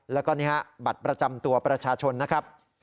แล้วก็นี่ฮะบัตรประจำตัวประชาชนนะครับ